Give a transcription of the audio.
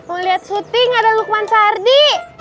mau lihat syuting ada lukman sardi